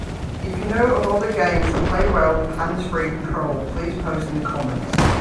If you know of other games that play well with hands-free control, please post in the comments.